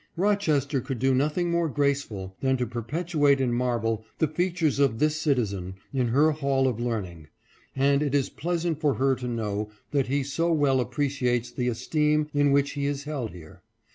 " Rochester could do nothing more graceful than to perpetuate in marble the features of this citizen in her hall of learning; and it is pleasant for her to know that he so well appreciates the esteem in which he is held here.